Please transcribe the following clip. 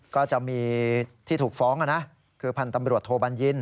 ก็จะมีที่ถูกฟ้องคือพันธ์ตำรวจโทบัญญิน